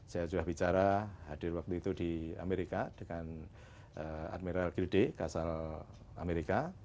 saya sudah bicara hadir waktu itu di amerika dengan admiral grede kasal amerika